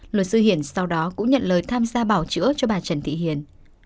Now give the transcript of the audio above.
luật sư hiển sau đó cũng nhận lời tham gia bảo chữa cho bà trần thị hiền